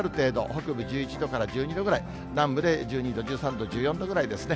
北部１１度から１２度ぐらい、南部で１２度、１３度、１４度ぐらいですね。